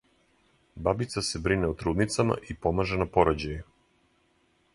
Бабица се брине о трудницама и помаже на порођају.